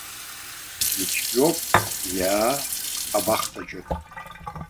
Ицәгьоуп, иаа, абахҭаҿы?